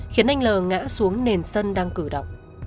khiến anh lờ ngã xuống nền sân đang cử động